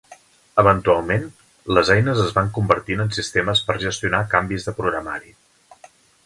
Eventualment, les eines es van convertir en sistemes per gestionar canvis de programari.